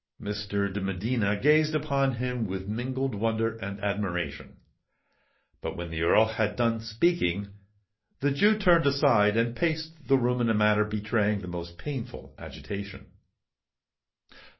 Mr. de Medina gazed upon him with mingled wonder and admiration: but when the Earl had done speaking, the Jew turned aside and paced the room in a manner betraying the most painful agitation.